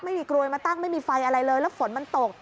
ไม่มีกรวยมาตั้งไม่มีไฟอะไรเลยแล้วฝนมันตก